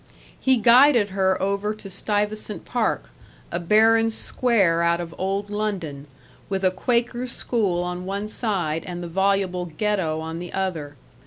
He guided her over to Stuyvesant Park, a barren square out of old London, with a Quaker school on one side, and the voluble Ghetto on the other.